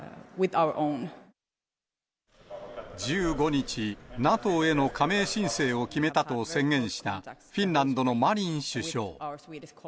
１５日、ＮＡＴＯへの加盟申請を決めたと宣言したフィンランドのマリン首相。